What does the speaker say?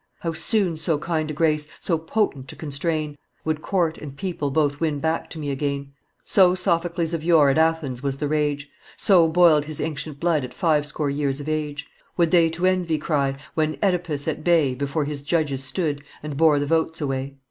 How soon so kind a grace, so potent to constrain, Would court and people both win back to me again! 'So Sophocles of yore at Athens was the rage, So boiled his ancient blood at five score years of age,' Would they to Envy cry, 'when OEdipus at bay Before his judges stood, and bore the votes away.